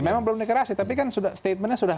memang belum deklarasi tapi kan statementnya